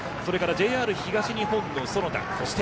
ＪＲ東日本の其田。